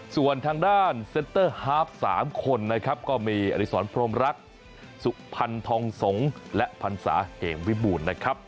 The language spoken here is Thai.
ส่วนทางด้านเซ็นเตอร์ฮาร์ฟ๓คนนะครับก็มีอริสรพรมรักสุพรรณทองสงฆ์และพันศาเหมวิบูรณ์นะครับ